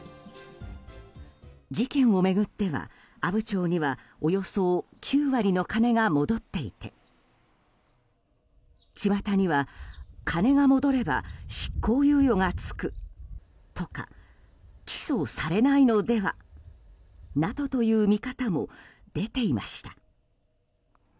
事件を巡っては阿武町にはおよそ９割の金が戻っていて巷には、金が戻れば執行猶予が付くとか起訴されないのではなどという見方も出ていました。